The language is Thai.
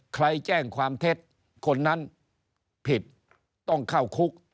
ใครแจ้งความเท็จคนนั้นผิดต้องเข้าคุก